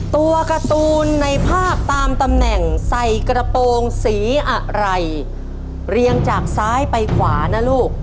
ตัวการ์ตูนในภาพตามตำแหน่งใส่กระโปรงสีอะไรเรียงจากซ้ายไปขวานะลูก